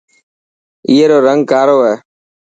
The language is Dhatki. اي رو رنگ ڪارو هي.